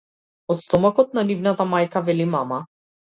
Од стомакот на нивната мајка, вели мама.